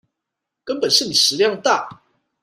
根本是你食量大